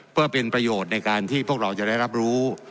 เพื่อเป็นประโยชน์ในการที่พวกเราจะได้รับรู้